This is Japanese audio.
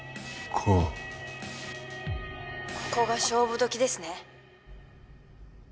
ここが勝負時ですね。